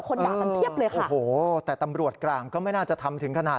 คนด่ามันเพียบเลยค่ะ